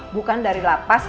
bukan dari lapas